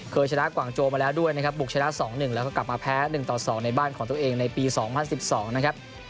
เคยชนะกว่างโจมาแล้วด้วยนะครับบุกชนะ๒๑แล้วก็กลับมาแพ้๑ต่อ๒ในบ้านของตัวเองในปี๒๐๑๒นะครับ